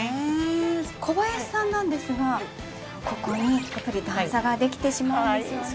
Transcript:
小林さんなんですがここにやっぱり段差ができてしまうんですよね。